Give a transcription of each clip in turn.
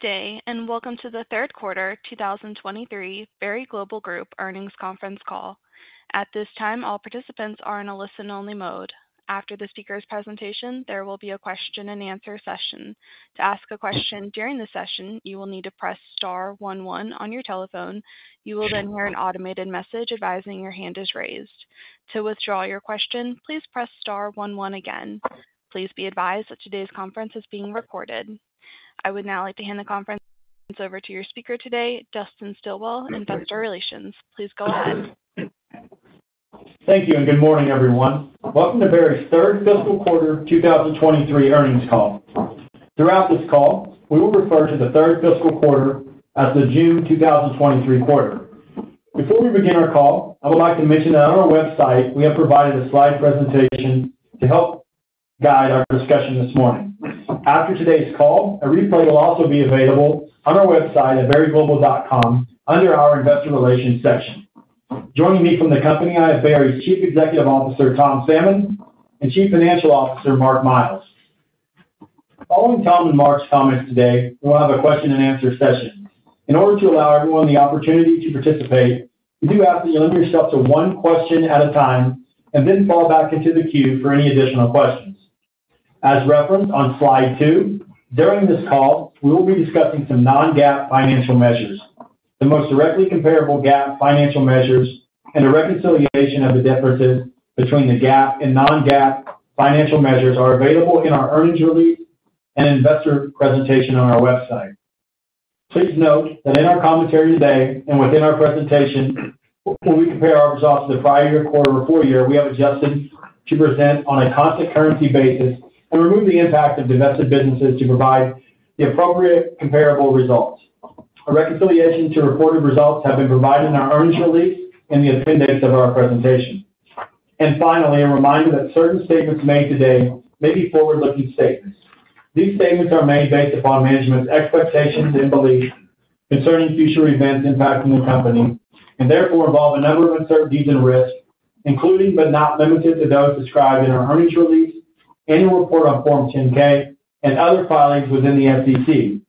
Good day. Welcome to the Q3 2023 Berry Global Group Earnings Conference Call. At this time, all participants are in a listen-only mode. After the speaker's presentation, there will be a question and answer session. To ask a question during the session, you will need to press star 11 on your telephone. You will then hear an automated message advising your hand is raised. To withdraw your question, please press star 11 again. Please be advised that today's conference is being recorded. I would now like to hand the conference over to your speaker today, Dustin Stilwell, Investor Relations. Please go ahead. Thank you, and good morning, everyone. Welcome to Berry's third fiscal quarter, 2023 earnings call. Throughout this call, we will refer to the third fiscal quarter as the June 2023 quarter. Before we begin our call, I would like to mention that on our website, we have provided a slide presentation to help guide our discussion this morning. After today's call, a replay will also be available on our website at berryglobal.com under our Investor Relations section. Joining me from the company, I have Berry's Chief Executive Officer, Tom Salmon, and Chief Financial Officer, Mark Miles. Following Tom and Mark's comments today, we'll have a question and answer session. In order to allow everyone the opportunity to participate, we do ask that you limit yourself to one question at a time and then fall back into the queue for any additional questions. As referenced on slide two, during this call, we will be discussing some non-GAAP financial measures. The most directly comparable GAAP financial measures and a reconciliation of the differences between the GAAP and non-GAAP financial measures are available in our earnings release and investor presentation on our website. Please note that in our commentary today and within our presentation, when we compare our results to the prior year quarter or full year, we have adjusted to present on a constant currency basis and remove the impact of divested businesses to provide the appropriate comparable results. A reconciliation to reported results have been provided in our earnings release in the appendix of our presentation. Finally, a reminder that certain statements made today may be forward-looking statements. These statements are made based upon management's expectations and beliefs concerning future events impacting the company, and therefore involve a number of uncertainties and risks, including but not limited to those described in our earnings release, annual report on Form 10-K and other filings within the SEC.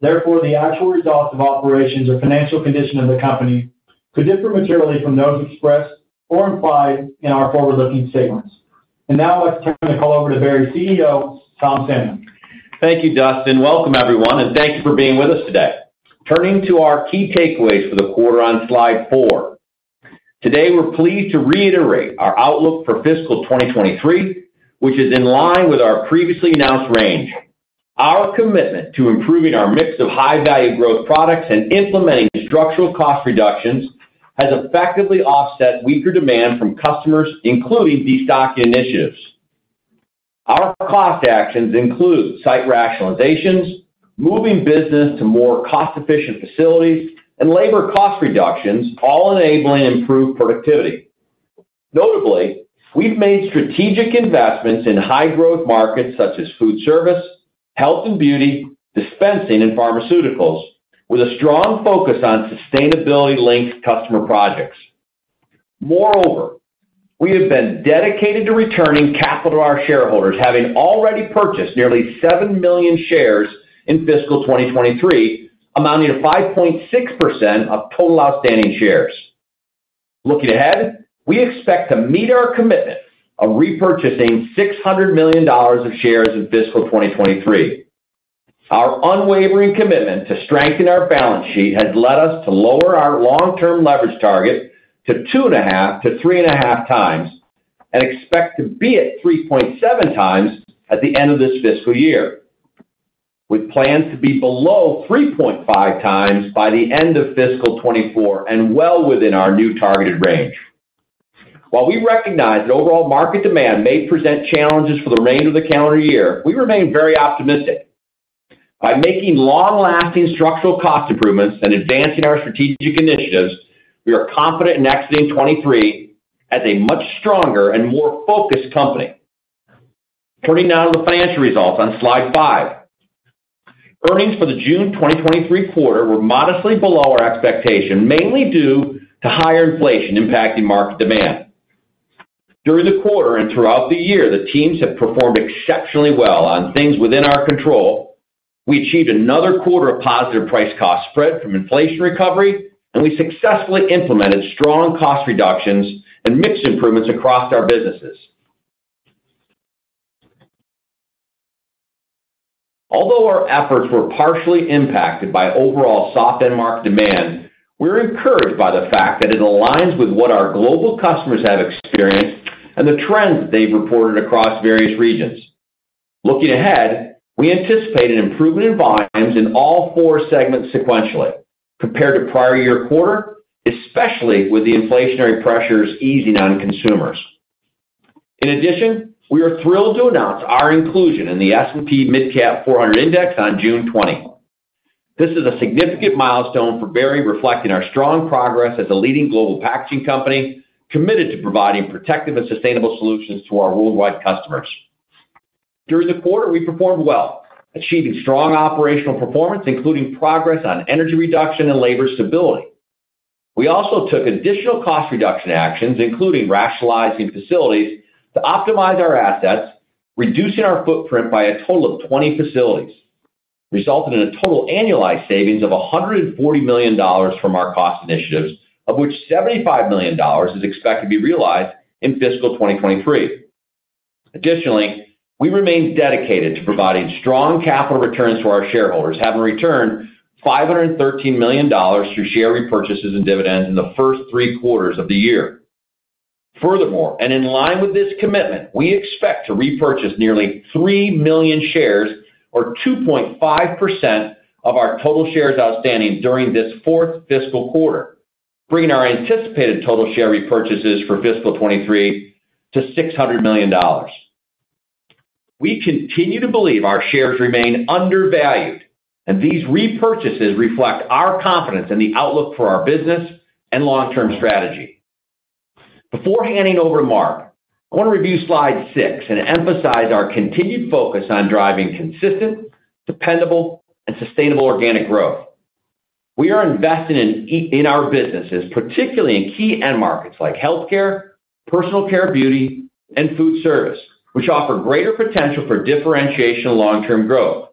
Therefore, the actual results of operations or financial condition of the company could differ materially from those expressed or implied in our forward-looking statements. Now I'd like to turn the call over to Berry's CEO, Tom Salmon. Thank you, Dustin. Welcome, everyone, thank you for being with us today. Turning to our key takeaways for the quarter on slide 4. Today, we're pleased to reiterate our outlook for fiscal 2023, which is in line with our previously announced range. Our commitment to improving our mix of high-value growth products and implementing structural cost reductions has effectively offset weaker demand from customers, including destocking initiatives. Our cost actions include site rationalizations, moving business to more cost-efficient facilities, and labor cost reductions, all enabling improved productivity. Notably, we've made strategic investments in high-growth markets such as foodservice, health and beauty, dispensing, and pharmaceuticals, with a strong focus on sustainability-linked customer projects. Moreover, we have been dedicated to returning capital to our shareholders, having already purchased nearly 7 million shares in fiscal 2023, amounting to 5.6% of total outstanding shares. Looking ahead, we expect to meet our commitment of repurchasing $600 million of shares in fiscal 2023. Our unwavering commitment to strengthen our balance sheet has led us to lower our long-term leverage target to 2.5x to 3.5x, and expect to be at 3.7x at the end of this fiscal year. We plan to be below 3.5x by the end of fiscal 2024 and well within our new targeted range. While we recognize that overall market demand may present challenges for the remainder of the calendar year, we remain very optimistic. By making long-lasting structural cost improvements and advancing our strategic initiatives, we are confident in exiting 2023 as a much stronger and more focused company. Turning now to the financial results on slide 5. Earnings for the June 2023 quarter were modestly below our expectation, mainly due to higher inflation impacting market demand. During the quarter and throughout the year, the teams have performed exceptionally well on things within our control. We achieved another quarter of positive price cost spread from inflation recovery, and we successfully implemented strong cost reductions and mix improvements across our businesses. Although our efforts were partially impacted by overall soft end market demand, we're encouraged by the fact that it aligns with what our global customers have experienced and the trends they've reported across various regions. Looking ahead, we anticipate an improvement in volumes in all 4 segments sequentially compared to prior year quarter, especially with the inflationary pressures easing on consumers. In addition, we are thrilled to announce our inclusion in the S&P MidCap 400 Index on 20 June. This is a significant milestone for Berry, reflecting our strong progress as a leading global packaging company committed to providing protective and sustainable solutions to our worldwide customers. During the quarter, we performed well, achieving strong operational performance, including progress on energy reduction and labor stability. We also took additional cost reduction actions, including rationalizing facilities to optimize our assets, reducing our footprint by a total of 20 facilities, resulting in a total annualized savings of $140 million from our cost initiatives, of which $75 million is expected to be realized in fiscal 2023. Additionally, we remain dedicated to providing strong capital returns to our shareholders, having returned $513 million through share repurchases and dividends in the first 3 quarters of the year. Furthermore, and in line with this commitment, we expect to repurchase nearly 3 million shares, or 2.5% of our total shares outstanding during this fourth fiscal quarter, bringing our anticipated total share repurchases for fiscal 2023 to $600 million. We continue to believe our shares remain undervalued, and these repurchases reflect our confidence in the outlook for our business and long-term strategy. Before handing over to Mark, I want to review slide 6 and emphasize our continued focus on driving consistent, dependable, and sustainable organic growth. We are investing in our businesses, particularly in key end markets like healthcare, personal care beauty, and food service, which offer greater potential for differentiation and long-term growth.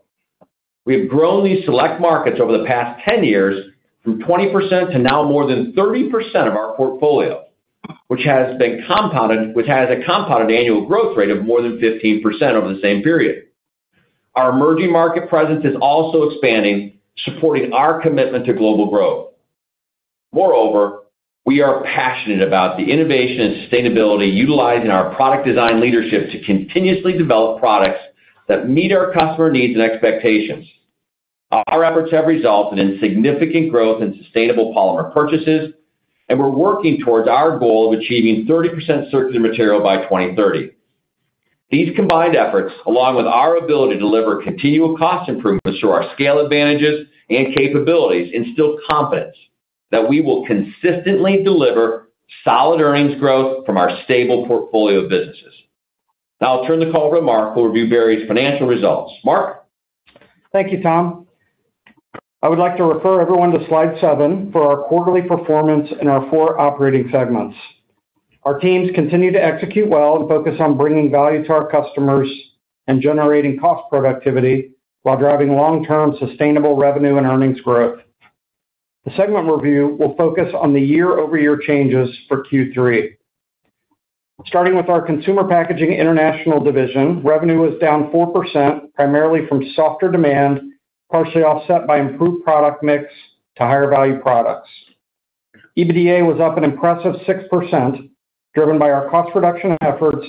We have grown these select markets over the past 10 years from 20% to now more than 30% of our portfolio, which has a compounded annual growth rate of more than 15% over the same period. Our emerging market presence is also expanding, supporting our commitment to global growth. Moreover, we are passionate about the innovation and sustainability utilized in our product design leadership to continuously develop products that meet our customer needs and expectations. Our efforts have resulted in significant growth in sustainable polymer purchases, and we're working towards our goal of achieving 30% circular material by 2030. These combined efforts, along with our ability to deliver continual cost improvements through our scale advantages and capabilities, instill confidence that we will consistently deliver solid earnings growth from our stable portfolio of businesses. Now I'll turn the call to Mark, who will review various financial results. Mark? Thank you, Tom. I would like to refer everyone to slide 7 for our quarterly performance in our four operating segments. Our teams continue to execute well and focus on bringing value to our customers and generating cost productivity while driving long-term sustainable revenue and earnings growth. The segment review will focus on the year-over-year changes for Q3. Starting with our Consumer Packaging International Division, revenue was down 4%, primarily from softer demand, partially offset by improved product mix to higher-value products. EBITDA was up an impressive 6%, driven by our cost reduction efforts,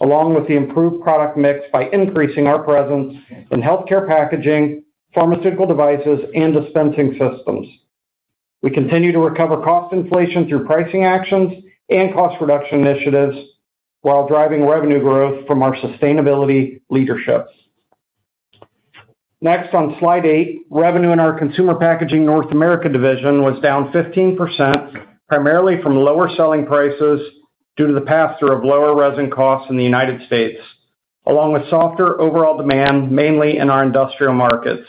along with the improved product mix by increasing our presence in healthcare packaging, pharmaceutical devices, and dispensing systems. We continue to recover cost inflation through pricing actions and cost reduction initiatives while driving revenue growth from our sustainability leadership. Next, on slide 8, revenue in our Consumer Packaging North America was down 15%, primarily from lower selling prices due to the pass-through of lower resin costs in the United States, along with softer overall demand, mainly in our industrial markets.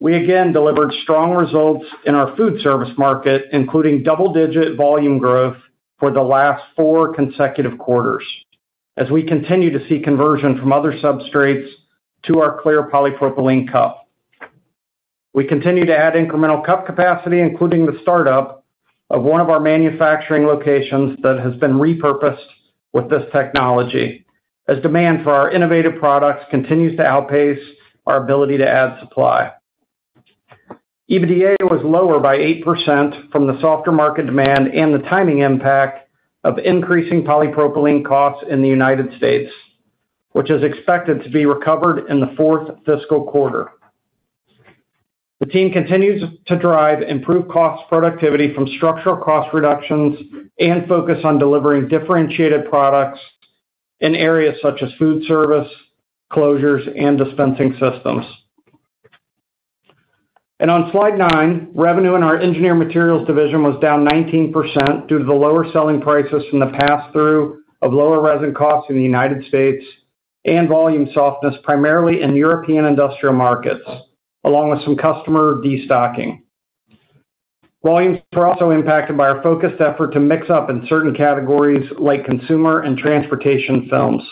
We again delivered strong results in our food service market, including double-digit volume growth for the last 4 consecutive quarters, as we continue to see conversion from other substrates to our clear polypropylene cup. We continue to add incremental cup capacity, including the startup of one of our manufacturing locations that has been repurposed with this technology, as demand for our innovative products continues to outpace our ability to add supply. EBITDA was lower by 8% from the softer market demand and the timing impact of increasing polypropylene costs in the United States, which is expected to be recovered in the fourth fiscal quarter. The team continues to drive improved cost productivity from structural cost reductions and focus on delivering differentiated products in areas such as foodservice, closures, and dispensing systems. On slide 9, revenue in our Engineered Materials was down 19% due to the lower selling prices from the pass-through of lower resin costs in the United States and volume softness, primarily in European industrial markets, along with some customer destocking. Volumes were also impacted by our focused effort to mix up in certain categories like consumer and transportation films.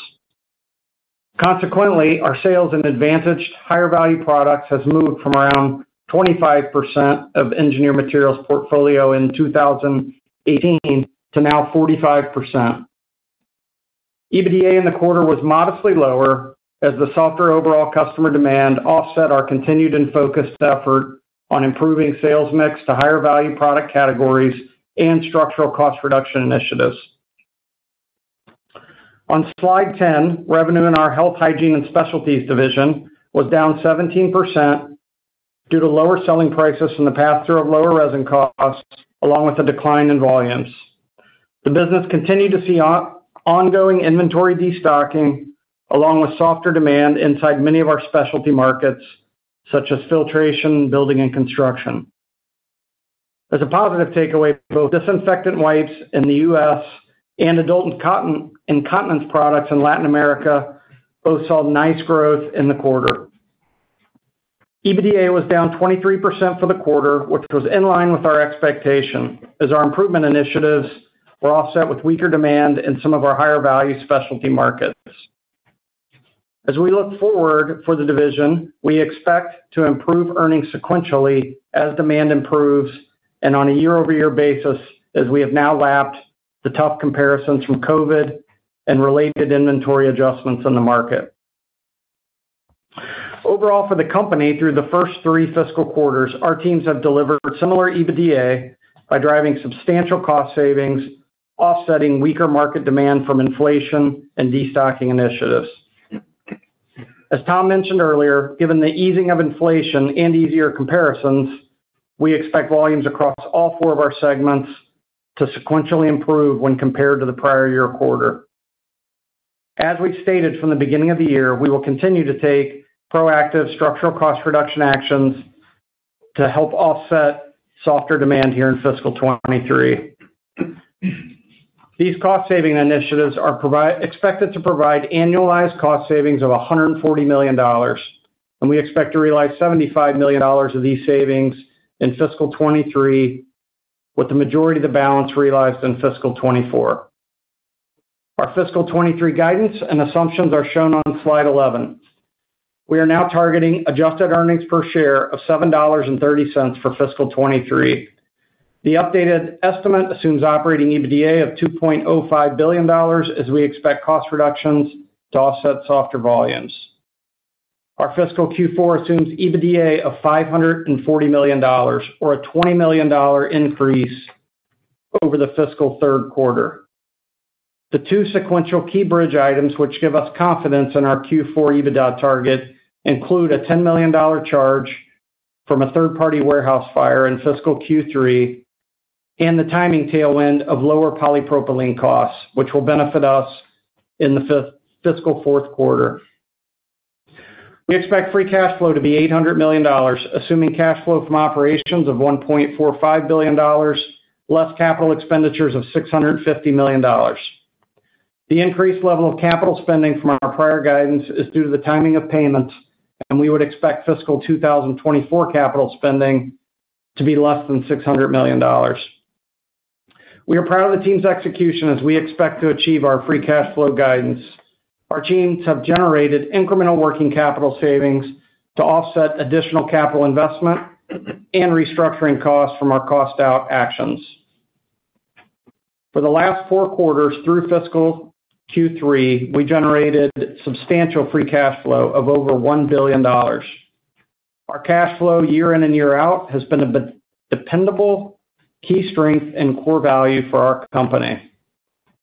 Consequently, our sales in advantaged higher-value products has moved from around 25% of Engineered Materials portfolio in 2018 to now 45%. EBITDA in the quarter was modestly lower as the softer overall customer demand offset our continued and focused effort on improving sales mix to higher-value product categories and structural cost reduction initiatives. On slide 10, revenue in our Health, Hygiene & Specialties division was down 17% due to lower selling prices from the pass-through of lower resin costs, along with a decline in volumes. The business continued to see ongoing inventory destocking, along with softer demand inside many of our specialty markets, such as filtration, building, and construction. As a positive takeaway, both disinfectant wipes in the US and adult cotton incontinence products in Latin America both saw nice growth in the quarter. EBITDA was down 23% for the quarter, which was in line with our expectation, as our improvement initiatives were offset with weaker demand in some of our higher value specialty markets. As we look forward for the division, we expect to improve earnings sequentially as demand improves. On a year-over-year basis, as we have now lapsed the tough comparisons from COVID and related inventory adjustments in the market. Overall, for the company, through the first three fiscal quarters, our teams have delivered similar EBITDA by driving substantial cost savings, offsetting weaker market demand from inflation and destocking initiatives. As Tom mentioned earlier, given the easing of inflation and easier comparisons, we expect volumes across all four of our segments to sequentially improve when compared to the prior year quarter. As we've stated from the beginning of the year, we will continue to take proactive structural cost reduction actions to help offset softer demand here in fiscal 2023. These cost-saving initiatives are expected to provide annualized cost savings of $140 million. We expect to realize $75 million of these savings in fiscal 2023, with the majority of the balance realized in fiscal 2024. Our fiscal 2023 guidance and assumptions are shown on slide 11. We are now targeting adjusted earnings per share of $7.30 for fiscal 2023. The updated estimate assumes operating EBITDA of $2.05 billion, as we expect cost reductions to offset softer volumes. Our fiscal Q4 assumes EBITDA of $540 million, or a $20 million increase over the fiscal Q3. The two sequential key bridge items, which give us confidence in our Q4 EBITDA target, include a $10 million charge from a third-party warehouse fire in fiscal Q3, and the timing tailwind of lower polypropylene costs, which will benefit us in the fiscal Q4. We expect free cash flow to be $800 million, assuming cash flow from operations of $1.45 billion, less capital expenditures of $650 million. The increased level of capital spending from our prior guidance is due to the timing of payments, and we would expect fiscal 2024 capital spending to be less than $600 million. We are proud of the team's execution as we expect to achieve our free cash flow guidance. Our teams have generated incremental working capital savings to offset additional capital investment and restructuring costs from our cost out actions. For the last four quarters through fiscal Q3, we generated substantial free cash flow of over $1 billion. Our cash flow, year in and year out, has been a dependable key strength and core value for our company.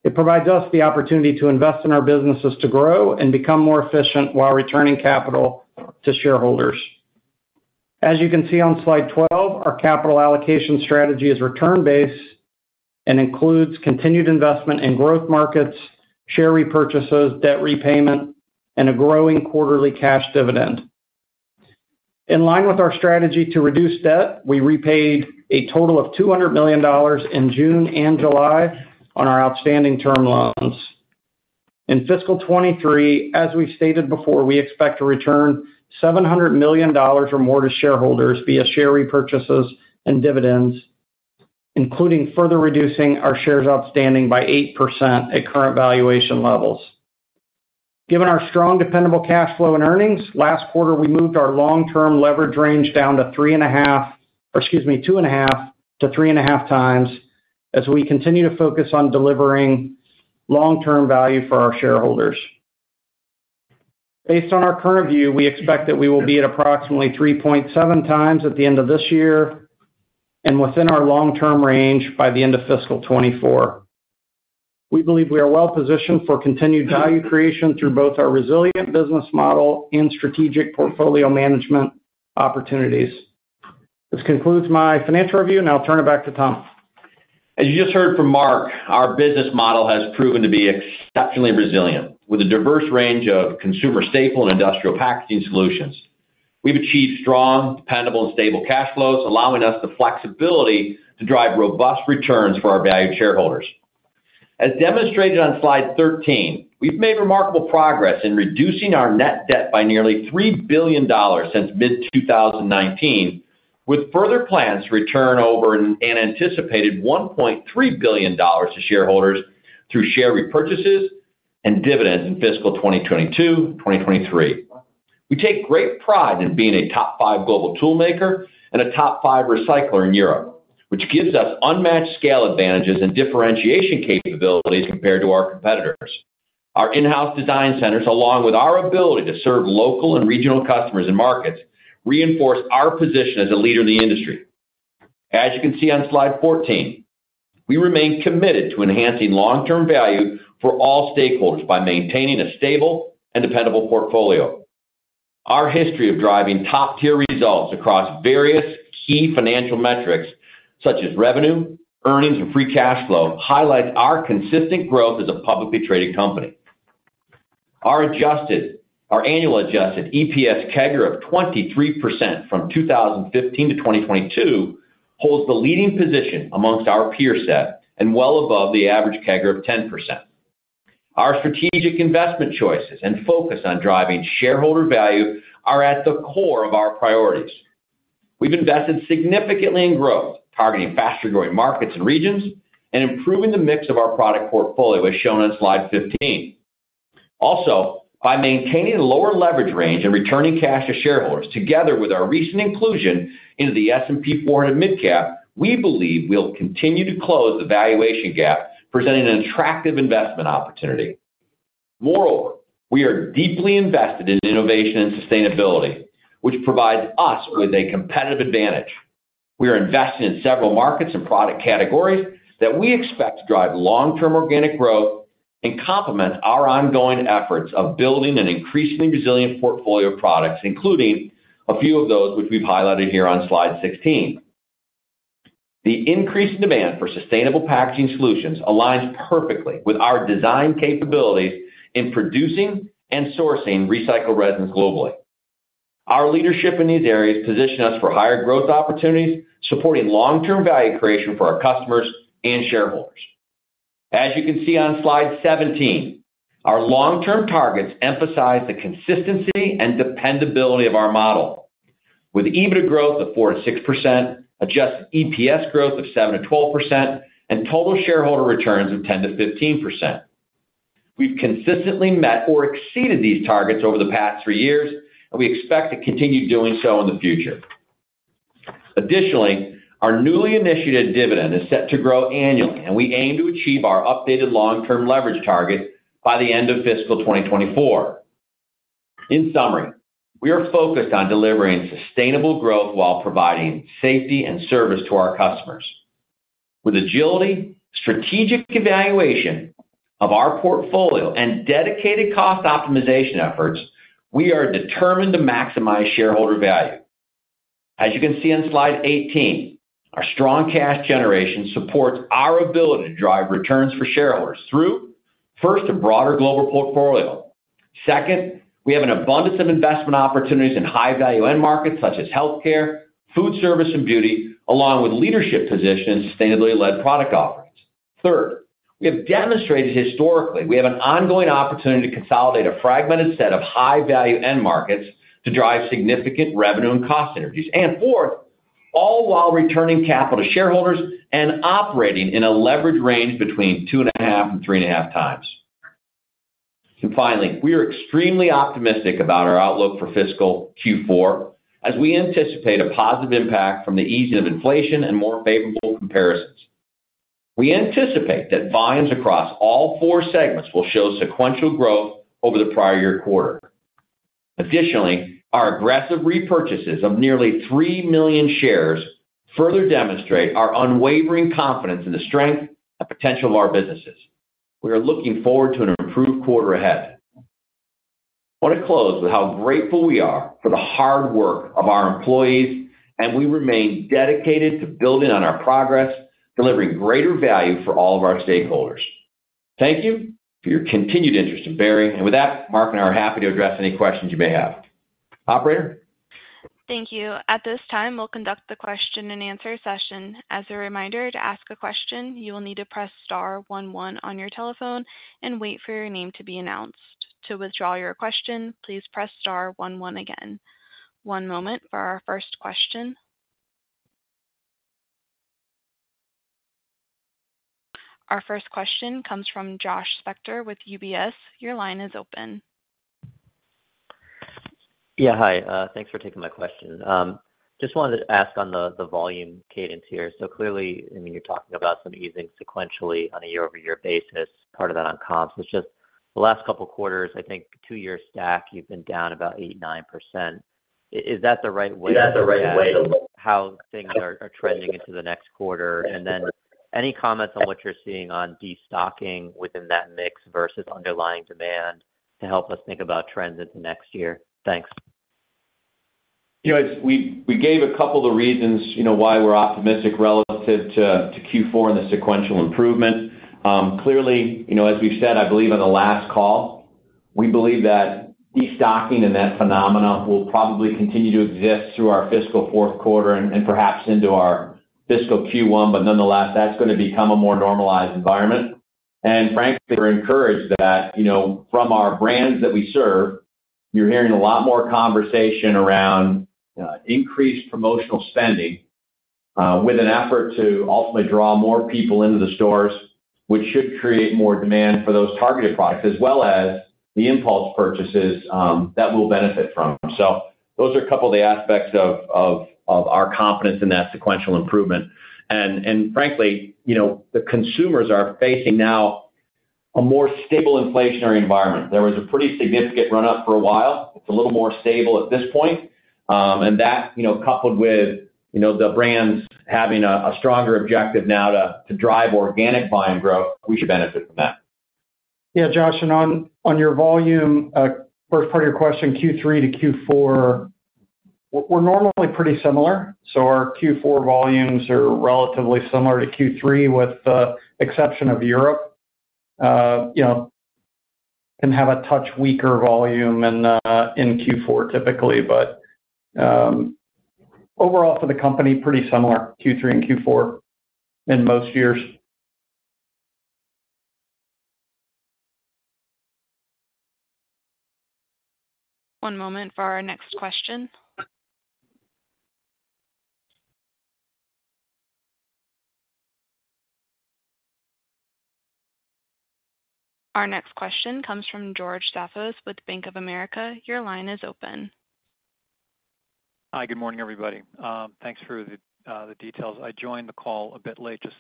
It provides us the opportunity to invest in our businesses to grow and become more efficient while returning capital to shareholders. As you can see on slide 12, our capital allocation strategy is return-based and includes continued investment in growth markets, share repurchases, debt repayment, and a growing quarterly cash dividend. In line with our strategy to reduce debt, we repaid a total of $200 million in June and July on our outstanding term loans. In fiscal 2023, as we've stated before, we expect to return $700 million or more to shareholders via share repurchases and dividends, including further reducing our shares outstanding by 8% at current valuation levels. Given our strong, dependable cash flow and earnings, last quarter, we moved our long-term leverage range down to 2.5 to 3.5x, as we continue to focus on delivering long-term value for our shareholders. Based on our current view, we expect that we will be at approximately 3.7x at the end of this year and within our long-term range by the end of fiscal 2024. We believe we are well positioned for continued value creation through both our resilient business model and strategic portfolio management opportunities. This concludes my financial review, and I'll turn it back to Tom. As you just heard from Mark, our business model has proven to be exceptionally resilient, with a diverse range of consumer staple and industrial packaging solutions. We've achieved strong, dependable, and stable cash flows, allowing us the flexibility to drive robust returns for our valued shareholders. As demonstrated on slide 13, we've made remarkable progress in reducing our net debt by nearly $3 billion since mid-2019, with further plans to return over an anticipated $1.3 billion to shareholders through share repurchases and dividends in fiscal 2022, 2023. We take great pride in being a top 5 global tool maker and a top 5 recycler in Europe, which gives us unmatched scale advantages and differentiation capabilities compared to our competitors. Our in-house design centers, along with our ability to serve local and regional customers and markets, reinforce our position as a leader in the industry. As you can see on slide 14, we remain committed to enhancing long-term value for all stakeholders by maintaining a stable and dependable portfolio. Our history of driving top-tier results across various key financial metrics, such as revenue, earnings, and free cash flow, highlights our consistent growth as a publicly traded company. Our annual adjusted EPS CAGR of 23% from 2015 to 2022, holds the leading position amongst our peer set and well above the average CAGR of 10%. Our strategic investment choices and focus on driving shareholder value are at the core of our priorities. We've invested significantly in growth, targeting faster-growing markets and regions, and improving the mix of our product portfolio, as shown on slide 15. Also, by maintaining a lower leverage range and returning cash to shareholders, together with our recent inclusion into the S&P MidCap 400, we believe we'll continue to close the valuation gap, presenting an attractive investment opportunity. Moreover, we are deeply invested in innovation and sustainability, which provides us with a competitive advantage. We are invested in several markets and product categories that we expect to drive long-term organic growth and complement our ongoing efforts of building an increasingly resilient portfolio of products, including a few of those, which we've highlighted here on slide 16. The increased demand for sustainable packaging solutions aligns perfectly with our design capabilities in producing and sourcing recycled resins globally. Our leadership in these areas position us for higher growth opportunities, supporting long-term value creation for our customers and shareholders. As you can see on Slide 17, our long-term targets emphasize the consistency and dependability of our model, with EBITDA growth of 4% to 6%, adjusted EPS growth of 7% to 12%, and total shareholder returns of 10% to 15%. We've consistently met or exceeded these targets over the past three years, and we expect to continue doing so in the future. Additionally, our newly initiated dividend is set to grow annually, and we aim to achieve our updated long-term leverage target by the end of fiscal 2024. In summary, we are focused on delivering sustainable growth while providing safety and service to our customers. With agility, strategic evaluation of our portfolio, and dedicated cost optimization efforts, we are determined to maximize shareholder value. As you can see on Slide 18, our strong cash generation supports our ability to drive returns for shareholders through, first, a broader global portfolio. Second, we have an abundance of investment opportunities in high-value end markets such as healthcare, food service, and beauty, along with leadership position in sustainably led product offerings. Third, we have demonstrated historically we have an ongoing opportunity to consolidate a fragmented set of high-value end markets to drive significant revenue and cost synergies. Fourth, all while returning capital to shareholders and operating in a leverage range between 2.5 and 3.5x. Finally, we are extremely optimistic about our outlook for fiscal Q4, as we anticipate a positive impact from the easing of inflation and more favorable comparisons. We anticipate that volumes across all 4 segments will show sequential growth over the prior year quarter. Additionally, our aggressive repurchases of nearly 3 million shares further demonstrate our unwavering confidence in the strength and potential of our businesses. We are looking forward to an improved quarter ahead. I want to close with how grateful we are for the hard work of our employees, and we remain dedicated to building on our progress, delivering greater value for all of our stakeholders. Thank you for your continued interest in Berry. With that, Mark and I are happy to address any questions you may have. Operator? Thank you. At this time, we'll conduct the question-and-answer session. As a reminder, to ask a question, you will need to press star one, one on your telephone and wait for your name to be announced. To withdraw your question, please press star one, one again. One moment for our first question. Our first question comes from Joshua Spector with UBS. Your line is open. Yeah, hi. Thanks for taking my question. Just wanted to ask on the, the volume cadence here. Clearly, I mean, you're talking about some easing sequentially on a year-over-year basis, part of that on comps. It's just the last couple of quarters, I think two-year stack, you've been down about 8%, 9%. Is that the right way- Is that the right way? how things are, are trending into the next quarter? Then any comments on what you're seeing on destocking within that mix versus underlying demand to help us think about trends into next year? Thanks. You know, we, we gave a couple of the reasons, you know, why we're optimistic relative to Q4 and the sequential improvement. Clearly, you know, as we've said, I believe on the last call, we believe that destocking and that phenomena will probably continue to exist through our fiscal Q4 and, and perhaps into our fiscal Q1. Nonetheless, that's gonna become a more normalized environment. Frankly, we're encouraged that, you know, from our brands that we serve, you're hearing a lot more conversation around increased promotional spending with an effort to ultimately draw more people into the stores, which should create more demand for those targeted products, as well as the impulse purchases that we'll benefit from. Those are a couple of the aspects of, of, of our confidence in that sequential improvement. Frankly, you know, the consumers are facing now a more stable inflationary environment. There was a pretty significant run-up for a while. It's a little more stable at this point, and that, you know, coupled with, you know, the brands having a, a stronger objective now to, to drive organic volume growth, we should benefit from that. Yeah, Josh, and on, on your volume, first part of your question, Q3 to Q4, we're, we're normally pretty similar. Our Q4 volumes are relatively similar to Q3, with the exception of Europe. You know, can have a touch weaker volume in Q4, typically, but overall for the company, pretty similar, Q3 and Q4 in most years. One moment for our next question. Our next question comes from George Staphos with Bank of America. Your line is open. Hi, good morning, everybody. Thanks for the details. I joined the call a bit late, just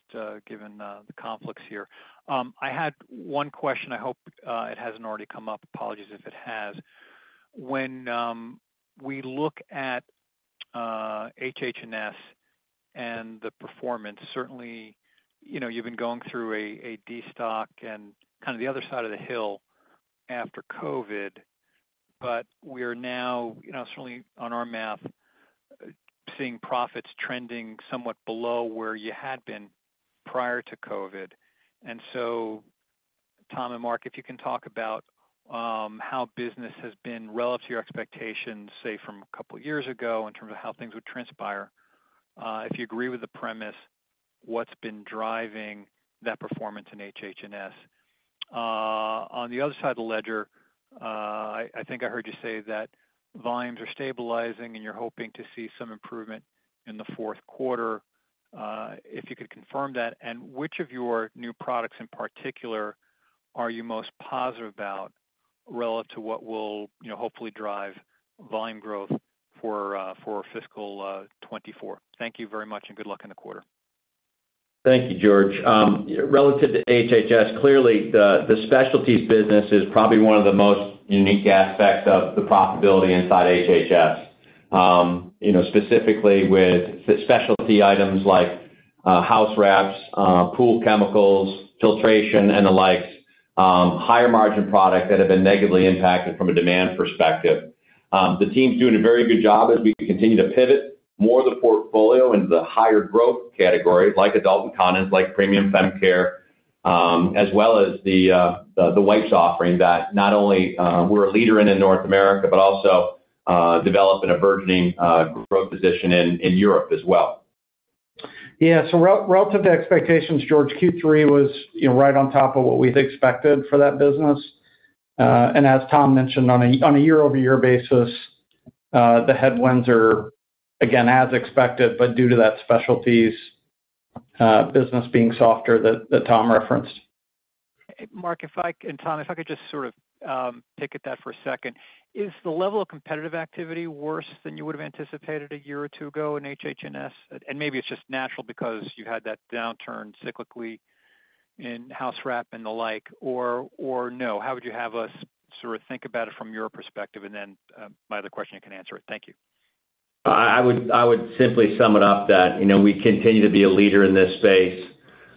given the conflicts here. I had 1 question. I hope it hasn't already come up. Apologies if it has. When we look at HH&S and the performance, certainly, you know, you've been going through a destock and kind of the other side of the hill after COVID, but we are now, you know, certainly on our math, seeing profits trending somewhat below where you had been prior to COVID. Tom and Mark, if you can talk about how business has been relative to your expectations, say, from a 2 years ago, in terms of how things would transpire. If you agree with the premise, what's been driving that performance in HH&S? On the other side of the ledger, I, I think I heard you say that volumes are stabilizing, and you're hoping to see some improvement in the Q4. If you could confirm that, and which of your new products in particular are you most positive about relative to what will, you know, hopefully drive volume growth for, for fiscal, 2024? Thank you very much, and good luck in the quarter. Thank you, George. Relative to HH&S, clearly, the, the specialties business is probably one of the most unique aspects of the profitability inside HH&S. You know, specifically with the specialty items like house wraps, pool chemicals, filtration, and the likes, higher margin product that have been negatively impacted from a demand perspective. The team's doing a very good job as we continue to pivot more of the portfolio into the higher growth categories like adult incontinence, like premium fem care, as well as the wipes offering that not only, we're a leader in in North America, but also, developing a burgeoning growth position in Europe as well. Yeah, re-relative to expectations, George, Q3 was, you know, right on top of what we'd expected for that business. As Tom mentioned, on a year-over-year basis, the headwinds are, again, as expected, but due to that specialties business being softer that, that Tom referenced. Mark, if I-- and Tom, if I could just sort of pick at that for a second. Is the level of competitive activity worse than you would have anticipated a year or two ago in HH&S? Maybe it's just natural because you had that downturn cyclically in house wrap and the like, or, or no? How would you have us sort of think about it from your perspective? Then, my other question, you can answer it. Thank you. I, I would, I would simply sum it up that, you know, we continue to be a leader in this space,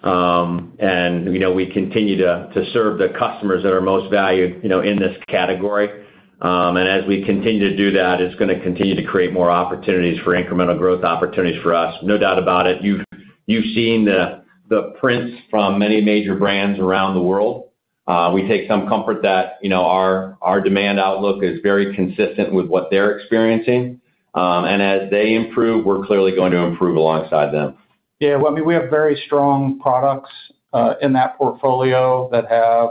and, you know, we continue to, to serve the customers that are most valued, you know, in this category. As we continue to do that, it's gonna continue to create more opportunities for incremental growth opportunities for us. No doubt about it. You've, you've seen the, the prints from many major brands around the world. We take some comfort that, you know, our, our demand outlook is very consistent with what they're experiencing. As they improve, we're clearly going to improve alongside them. Yeah, well, I mean, we have very strong products in that portfolio that have,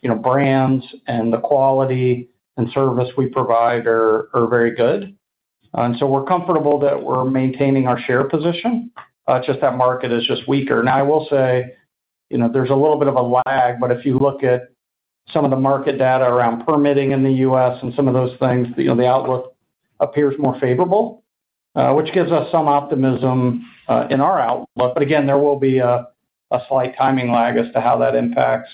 you know, brands, and the quality and service we provide are very good. So we're comfortable that we're maintaining our share position, just that market is just weaker. Now, I will say, you know, there's a little bit of a lag, but if you look at some of the market data around permitting in the US and some of those things, you know, the outlook appears more favorable, which gives us some optimism in our outlook. Again, there will be a slight timing lag as to how that impacts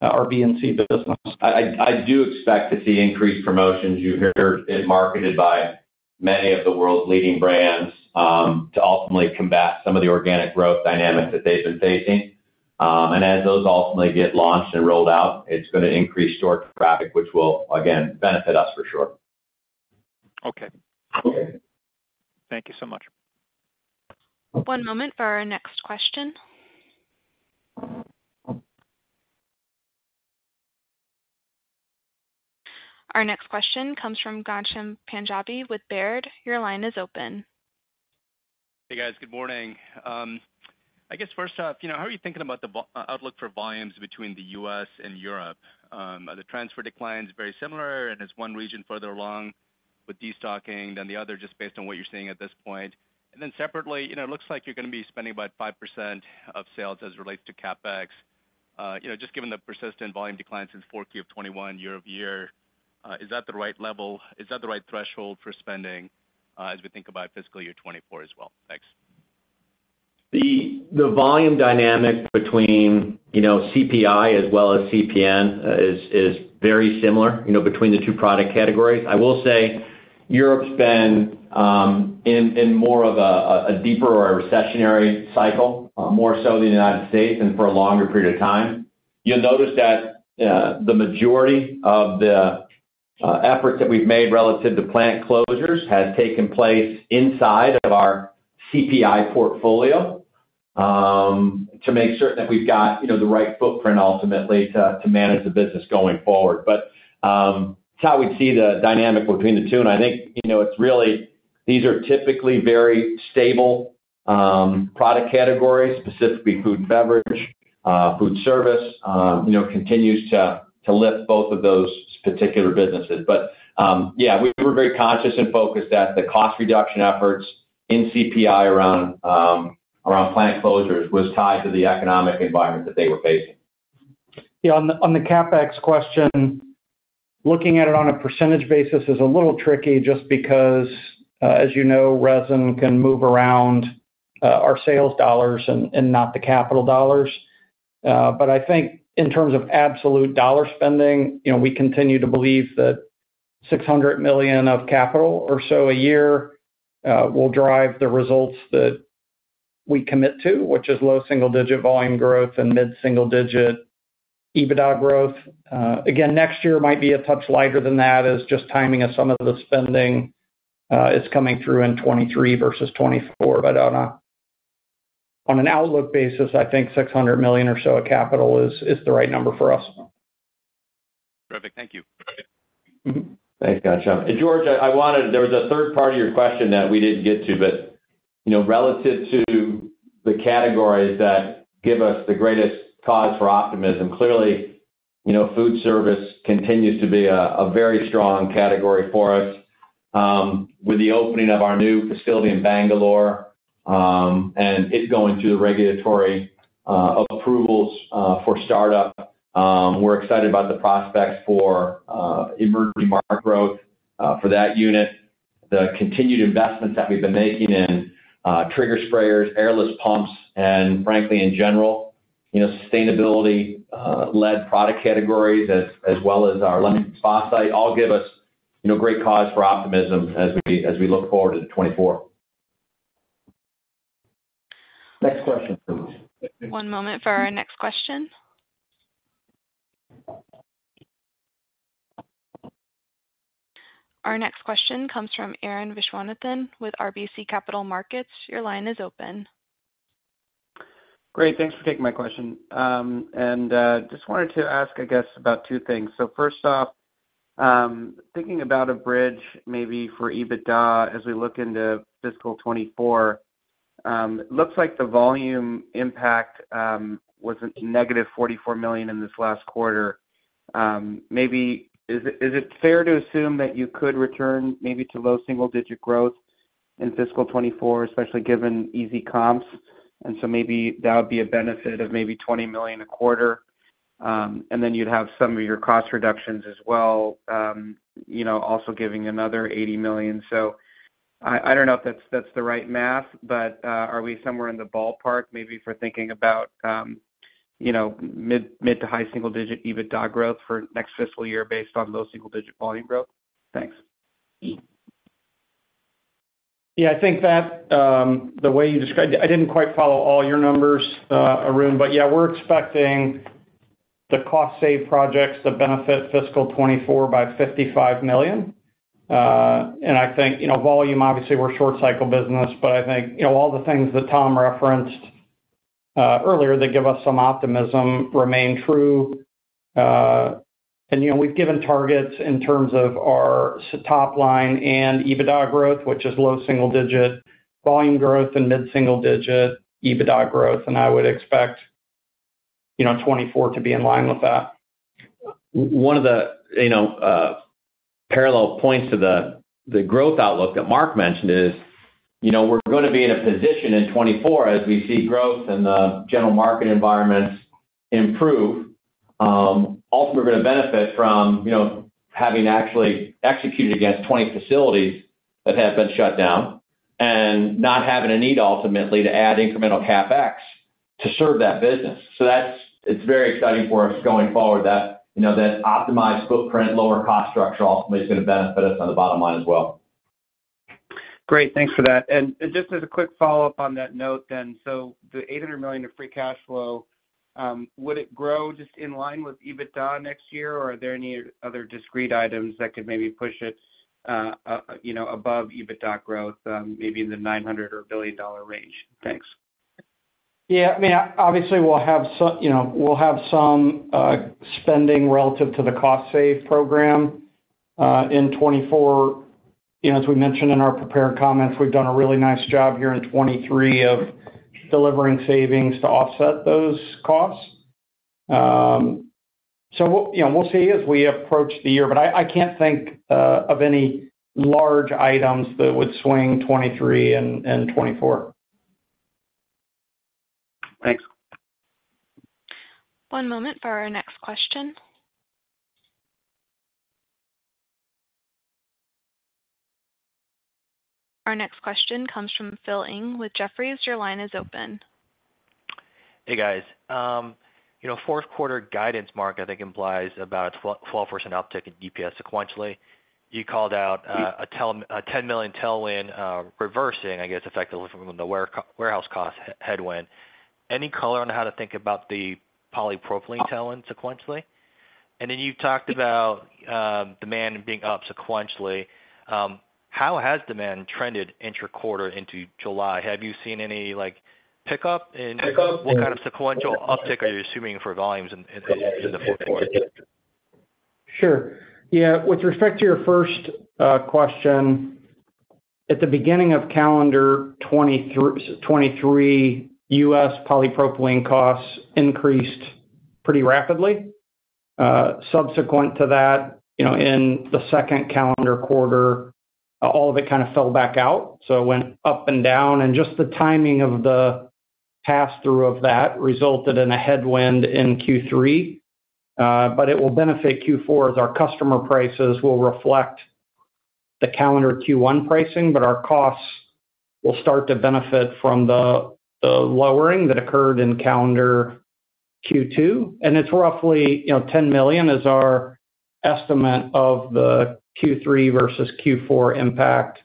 our B&C business. I, I, I do expect to see increased promotions. You hear it marketed by many of the world's leading brands, to ultimately combat some of the organic growth dynamics that they've been facing. As those ultimately get launched and rolled out, it's gonna increase store traffic, which will, again, benefit us for sure. Okay. Okay. Thank you so much. One moment for our next question. Our next question comes from Ghansham Panjabi with Baird. Your line is open. Hey, guys. Good morning. I guess first off, you know, how are you thinking about the outlook for volumes between the US and Europe? Are the transfer declines very similar, and is one region further along with destocking than the other, just based on what you're seeing at this point? Separately, you know, it looks like you're gonna be spending about 5% of sales as it relates to CapEx. You know, just given the persistent volume declines in Q4 of 2021 year-over-year, is that the right level? Is that the right threshold for spending, as we think about fiscal year 2024 as well? Thanks. The, the volume dynamic between, you know, CPI as well as CPN, is, is very similar, you know, between the two product categories. I will say Europe's been, in, in more of a, a deeper or a recessionary cycle, more so than the United States, and for a longer period of time. You'll notice that, the majority of the, efforts that we've made relative to plant closures has taken place inside of our CPI portfolio. To make sure that we've got, you know, the right footprint ultimately to, to manage the business going forward. It's how we see the dynamic between the two, and I think, you know, it's really, these are typically very stable, product categories, specifically food and beverage. Foodservice, you know, continues to, to lift both of those particular businesses. Yeah, we were very conscious and focused that the cost reduction efforts in CPI around, around plant closures was tied to the economic environment that they were facing. Yeah, on the, on the CapEx question, looking at it on a percentage basis is a little tricky just because, as you know, resin can move around, our sales dollars and, and not the capital dollars. I think in terms of absolute dollar spending, you know, we continue to believe that $600 million of capital or so a year, will drive the results that we commit to, which is low single-digit volume growth and mid-single digit EBITDA growth. Next year might be a touch lighter than that, as just timing of some of the spending, is coming through in 2023 versus 2024. On a, on an outlook basis, I think $600 million or so of capital is, is the right number for us. Perfect. Thank you. Thanks, Ghansham. George, I wanted, there was a third part of your question that we didn't get to, but, you know, relative to the categories that give us the greatest cause for optimism, clearly, you know, food service continues to be a very strong category for us. With the opening of our new facility in Bangalore, and it going through the regulatory approvals for startup, we're excited about the prospects for emerging market growth for that unit. The continued investments that we've been making in trigger sprayers, airless pumps, and frankly, in general, you know, sustainability led product categories, as well as our lower polypropylene, all give us, you know, great cause for optimism as we look forward to 2024. Next question, please. One moment for our next question. Our next question comes from Arun Viswanathan with RBC Capital Markets. Your line is open. Great, thanks for taking my question. Just wanted to ask, I guess, about two things. First off, thinking about a bridge maybe for EBITDA as we look into fiscal 2024, looks like the volume impact was a -$44 million in this last quarter. Maybe is it, is it fair to assume that you could return maybe to low single digit growth in fiscal 2024, especially given easy comps, so maybe that would be a benefit of maybe $20 million a quarter? Then you'd have some of your cost reductions as well, you know, also giving another $80 million. I, I don't know if that's, that's the right math, but, are we somewhere in the ballpark, maybe for thinking about, you know, mid, mid to high single digit EBITDA growth for next fiscal year based on low single digit volume growth? Thanks. Yeah, I think that, the way you described it, I didn't quite follow all your numbers, Arun, but yeah, we're expecting the cost save projects to benefit fiscal 2024 by $55 million. I think, you know, volume, obviously, we're a short cycle business, but I think, you know, all the things that Tom referenced earlier, that give us some optimism remain true. You know, we've given targets in terms of our top line and EBITDA growth, which is low single digit, volume growth and mid-single digit EBITDA growth, and I would expect, you know, 2024 to be in line with that. One of the, you know, parallel points to the, the growth outlook that Mark mentioned is, you know, we're gonna be in a position in 2024 as we see growth in the general market environments improve, also, we're gonna benefit from, you know, having actually executed against 20 facilities that have been shut down and not having a need ultimately to add incremental CapEx to serve that business. That's very exciting for us going forward, that, you know, that optimized footprint, lower cost structure, ultimately is gonna benefit us on the bottom line as well. Great. Thanks for that. Just as a quick follow-up on that note then, so the $800 million of free cash flow, would it grow just in line with EBITDA next year, or are there any other discrete items that could maybe push it, you know, above EBITDA growth, maybe in the $900 million or $1 billion range? Thanks. Yeah, I mean, obviously, we'll have some, you know, we'll have some spending relative to the cost save program in 2024. You know, as we mentioned in our prepared comments, we've done a really nice job here in 2023 of delivering savings to offset those costs. We'll, you know, we'll see as we approach the year, but I, I can't think of any large items that would swing 2023 and 2024. Thanks. One moment for our next question. Our next question comes from Philip Ng with Jefferies. Your line is open. Hey, guys. You know, Q4 guidance, Mark, I think, implies about 12% uptick in EPS sequentially. You called out a $10 million tailwind reversing, I guess, effectively from the warehouse cost headwind. Any color on how to think about the polypropylene tailwind sequentially? Then you've talked about demand being up sequentially. How has demand trended inter-quarter into July? Have you seen any, like, pickup? And what kind of sequential uptick are you assuming for volumes in the Q4? Sure. Yeah, with respect to your first question, at the beginning of calendar 2023, US polypropylene costs increased pretty rapidly. Subsequent to that, you know, in the second calendar quarter, all of it kind of fell back out. It went up and down, and just the timing of the pass-through of that resulted in a headwind in Q3. It will benefit Q4, as our customer prices will reflect the calendar Q1 pricing. Our costs will start to benefit from the lowering that occurred in calendar Q2, and it's roughly, you know, $10 million is our estimate of the Q3 versus Q4 impact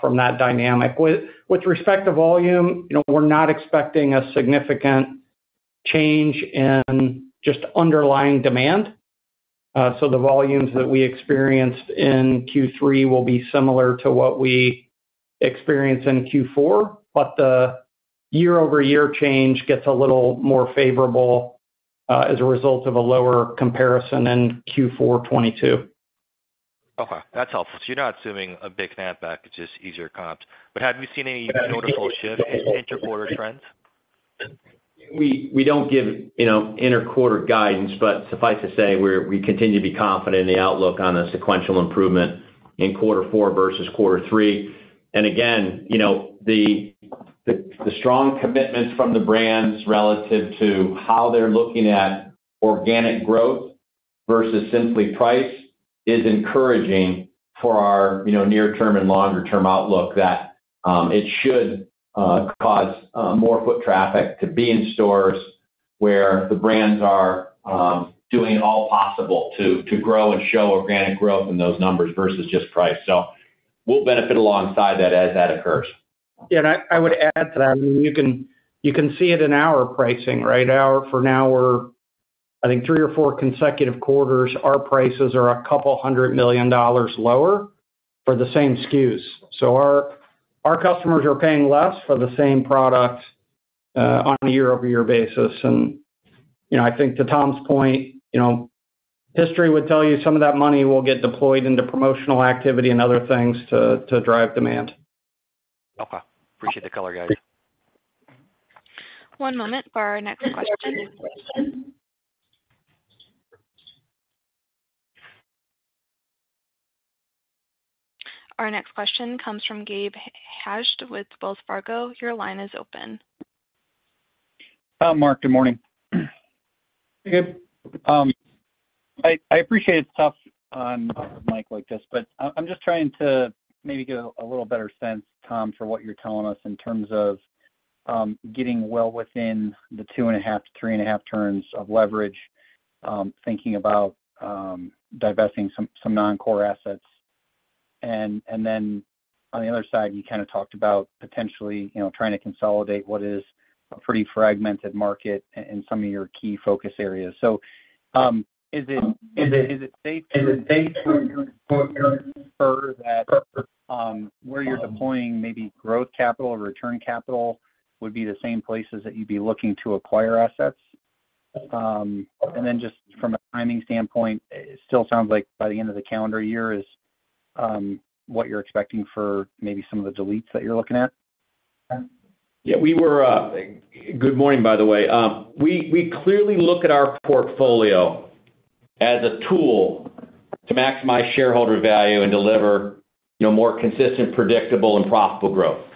from that dynamic. With respect to volume, you know, we're not expecting a significant change in just underlying demand. The volumes that we experienced in Q3 will be similar to what we experience in Q4, but the year-over-year change gets a little more favorable as a result of a lower comparison in Q4 2022. Okay, that's helpful. You're not assuming a big snapback, it's just easier comps. Have you seen any notable shift in inter-quarter trends? We don't give, you know, inter-quarter guidance, but suffice to say, we continue to be confident in the outlook on a sequential improvement in quarter four versus quarter three. Again, you know, the, the, the strong commitments from the brands relative to how they're looking at organic growth versus simply price is encouraging for our, you know, near-term and longer-term outlook that it should cause more foot traffic to be in stores where the brands are doing all possible to, to grow and show organic growth in those numbers versus just price. We'll benefit alongside that as that occurs. I, I would add to that, I mean, you can, you can see it in our pricing, right? For now, we're, I think, three or four consecutive quarters, our prices are $200 million lower for the same SKUs. Our, our customers are paying less for the same product on a year-over-year basis. You know, I think to Tom's point, you know, history would tell you some of that money will get deployed into promotional activity and other things to, to drive demand. Okay. Appreciate the color, guys. One moment for our next question. Our next question comes from Gabe Hajde with Wells Fargo. Your line is open. Mark, good morning. Hey, Gabe. I, I appreciate it's tough on a mic like this, but I'm just trying to maybe get a, a little better sense, Tom, for what you're telling us in terms of getting well within the 2.5 to 3.5 turns of leverage, thinking about divesting some, some non-core assets. Then on the other side, you kind of talked about potentially, you know, trying to consolidate what is a pretty fragmented market in some of your key focus areas. Is it, is it safe to infer that where you're deploying maybe growth capital or return capital would be the same places that you'd be looking to acquire assets? Just from a timing standpoint, it still sounds like by the end of the calendar year is what you're expecting for maybe some of the deletes that you're looking at? Yeah, we were. Good morning, by the way. We, we clearly look at our portfolio as a tool to maximize shareholder value and deliver, you know, more consistent, predictable, and profitable growth.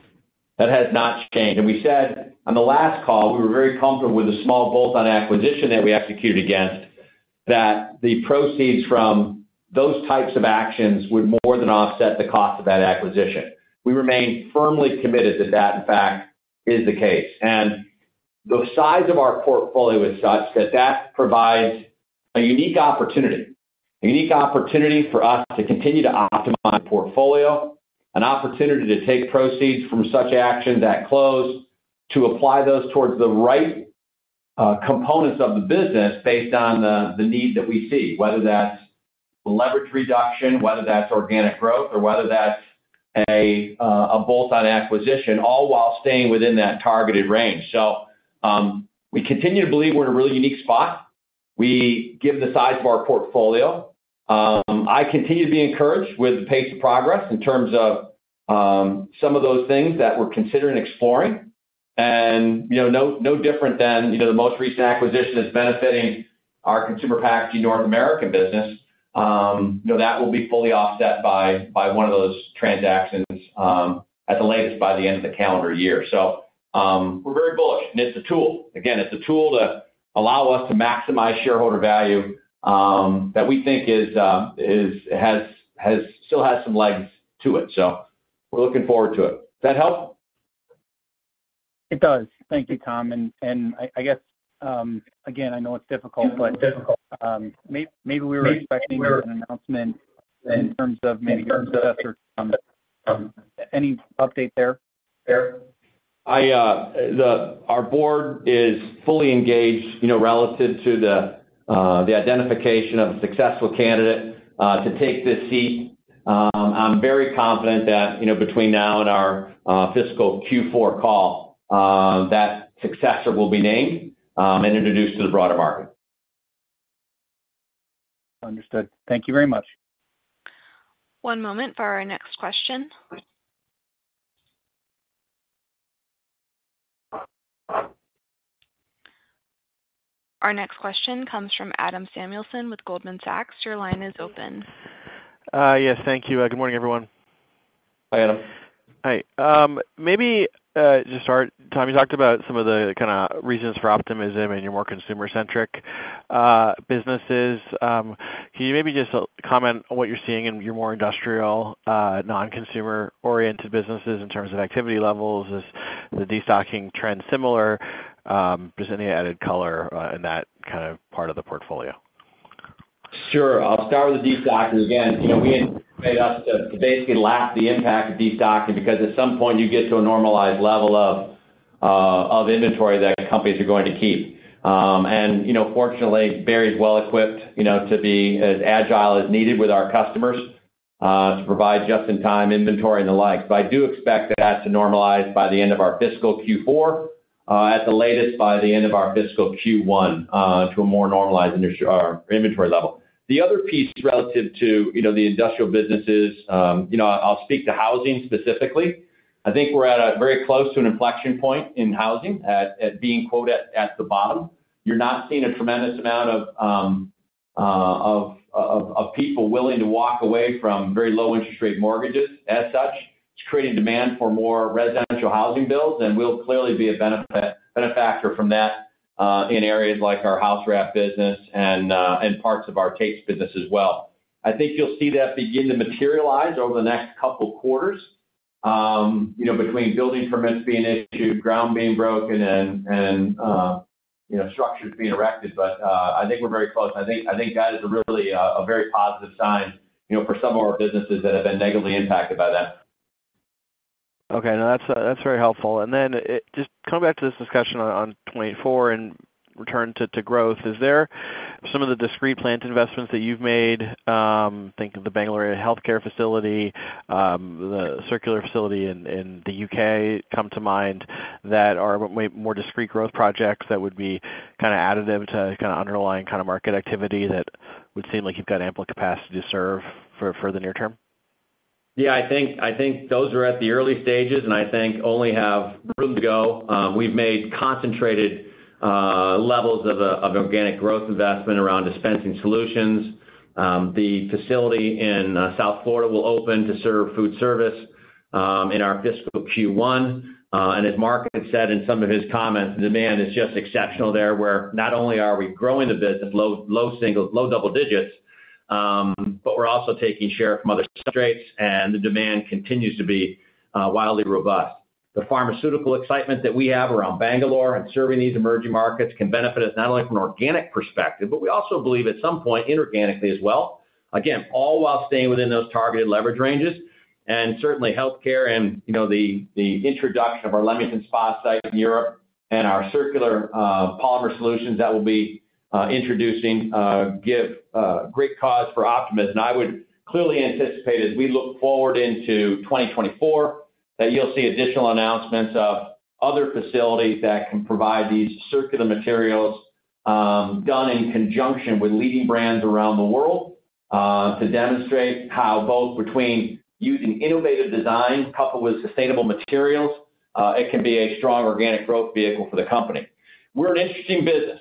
That has not changed. We said on the last call, we were very comfortable with the small bolt-on acquisition that we executed against, that the proceeds from those types of actions would more than offset the cost of that acquisition. We remain firmly committed that that, in fact, is the case. The size of our portfolio is such that that provides a unique opportunity, a unique opportunity for us to continue to optimize portfolio, an opportunity to take proceeds from such actions at close, to apply those towards the right components of the business based on the need that we see, whether that's leverage reduction, whether that's organic growth, or whether that's a bolt-on acquisition, all while staying within that targeted range. We continue to believe we're in a really unique spot. We give the size of our portfolio. I continue to be encouraged with the pace of progress in terms of some of those things that we're considering exploring. You know, no, no different than, you know, the most recent acquisition is benefiting our Consumer Packaging North American business. You know, that will be fully offset by, by one of those transactions at the latest by the end of the calendar year. We're very bullish, and it's a tool. Again, it's a tool to allow us to maximize shareholder value, that we think still has some legs to it, so we're looking forward to it. Does that help? It does. Thank you, Tom. I guess, again, I know it's difficult, but, maybe we were expecting an announcement in terms of maybe your investor, any update there?... I, the, our board is fully engaged, you know, relative to the, the identification of a successful candidate, to take this seat. I'm very confident that, you know, between now and our, fiscal Q4 call, that successor will be named, and introduced to the broader market. Understood. Thank you very much. One moment for our next question. Our next question comes from Adam Samuelson with Goldman Sachs. Your line is open. Yes, thank you. Good morning, everyone. Hi, Adam. Hi. Maybe just start, Tom, you talked about some of the kinda reasons for optimism and your more consumer-centric businesses. Can you maybe just comment on what you're seeing in your more industrial, non-consumer-oriented businesses in terms of activity levels? Is the destocking trend similar? Just any added color in that kind of part of the portfolio? Sure. I'll start with the destocking. Again, you know, we had made us to basically lap the impact of destocking, because at some point, you get to a normalized level of inventory that companies are going to keep. You know, fortunately, Berry is well-equipped, you know, to be as agile as needed with our customers, to provide just-in-time inventory and the like. I do expect that to normalize by the end of our fiscal Q4, at the latest, by the end of our fiscal Q1, to a more normalized industry or inventory level. The other piece relative to, you know, the industrial businesses, you know, I'll speak to housing specifically. I think we're at a very close to an inflection point in housing, at being quote, at the bottom. You're not seeing a tremendous amount of people willing to walk away from very low interest rate mortgages as such. It's creating demand for more residential housing builds, and we'll clearly be a benefactor from that in areas like our house wraps business and parts of our tapes business as well. I think you'll see that begin to materialize over the next couple quarters, you know, between building permits being issued, ground being broken, and, and, you know, structures being erected. I think we're very close. I think, I think that is really a very positive sign, you know, for some of our businesses that have been negatively impacted by that. Okay, now that's, that's very helpful. Just coming back to this discussion on, on 2024 and return to, to growth. Is there some of the discrete plant investments that you've made, think of the Bangalore healthcare facility, the circular facility in, in the UK, come to mind, that are way more discrete growth projects that would be kinda additive to kinda underlying kinda market activity that would seem like you've got ample capacity to serve for, for the near term? Yeah, I think, I think those are at the early stages, and I think only have room to go. We've made concentrated levels of organic growth investment around dispensing solutions. The facility in South Florida will open to serve foodservice in our fiscal Q1. And as Mark had said in some of his comments, demand is just exceptional there, where not only are we growing the business, low double digits, but we're also taking share from other substrates, and the demand continues to be wildly robust. The pharmaceutical excitement that we have around Bangalore and serving these emerging markets can benefit us not only from an organic perspective, but we also believe at some point, inorganically as well. Again, all while staying within those targeted leverage ranges, certainly, healthcare and, you know, the introduction of our Leamington Spa site in Europe and our circular polymer solutions that we'll be introducing give great cause for optimism. I would clearly anticipate, as we look forward into 2024, that you'll see additional announcements of other facilities that can provide these circular materials done in conjunction with leading brands around the world to demonstrate how both between using innovative design coupled with sustainable materials it can be a strong organic growth vehicle for the company. We're an interesting business,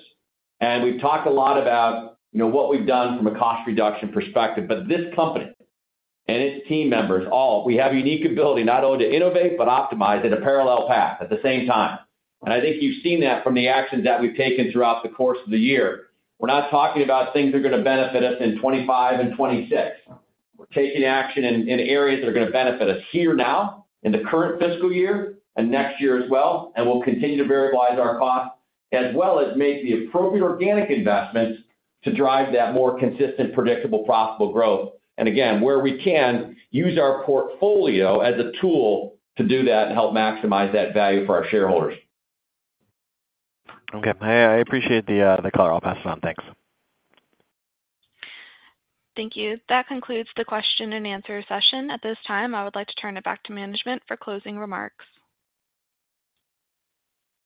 and we've talked a lot about, you know, what we've done from a cost reduction perspective. This company and its team members, we have a unique ability not only to innovate, but optimize at a parallel path at the same time. I think you've seen that from the actions that we've taken throughout the course of the year. We're not talking about things that are gonna benefit us in 25 and 26. We're taking action in areas that are gonna benefit us here now, in the current fiscal year and next year as well, and we'll continue to variabilize our costs, as well as make the appropriate organic investments to drive that more consistent, predictable, profitable growth. Again, where we can use our portfolio as a tool to do that and help maximize that value for our shareholders. Okay. I, I appreciate the, the color. I'll pass it on. Thanks. Thank you. That concludes the question and answer session. At this time, I would like to turn it back to management for closing remarks.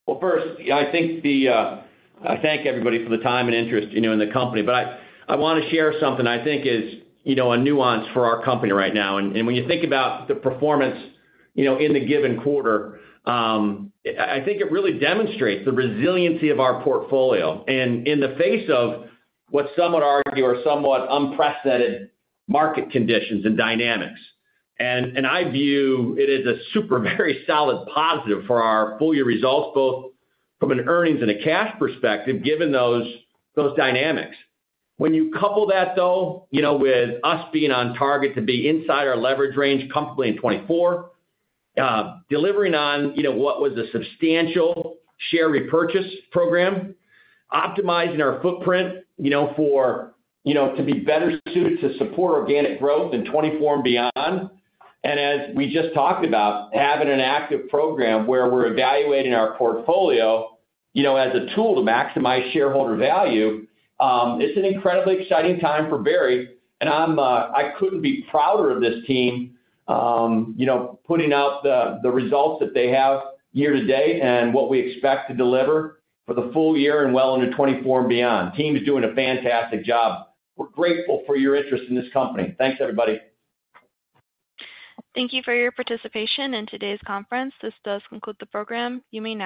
Well, first, yeah, I think I thank everybody for the time and interest, you know, in the company, but I, I wanna share something I think is, you know, a nuance for our company right now. When you think about the performance, you know, in a given quarter, I, I think it really demonstrates the resiliency of our portfolio, in the face of what some would argue are somewhat unprecedented market conditions and dynamics. I view it as a super, very solid positive for our full year results, both from an earnings and a cash perspective, given those, those dynamics. When you couple that though, you know, with us being on target to be inside our leverage range comfortably in 2024, delivering on, you know, what was a substantial share repurchase program, optimizing our footprint, you know, for, you know, to be better suited to support organic growth in 2024 and beyond. As we just talked about, having an active program where we're evaluating our portfolio, you know, as a tool to maximize shareholder value, it's an incredibly exciting time for Berry, and I'm, I couldn't be prouder of this team, you know, putting out the, the results that they have year to date and what we expect to deliver for the full year and well into 2024 and beyond. Team is doing a fantastic job. We're grateful for your interest in this company. Thanks, everybody. Thank you for your participation in today's conference. This does conclude the program. You may dis-